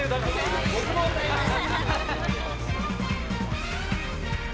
戸谷：僕も歌います！